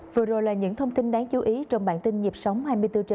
vừa rồi là những thông tin đáng chú ý trong bản tin nhịp sóng hai mươi bốn h bảy